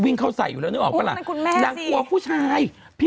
นางกลัวผู้ชาย